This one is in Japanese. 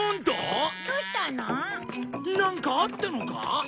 なんかあったのか？